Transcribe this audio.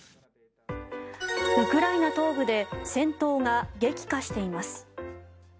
ウクライナ東部で戦闘が激化しています。